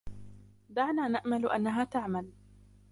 دعنا نأمل أنها تعمل.